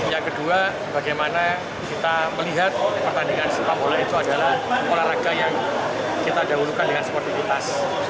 yang kedua bagaimana kita melihat pertandingan sepak bola itu adalah olahraga yang kita dahulukan dengan sportivitas